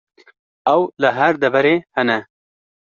Ew li her deverê hene.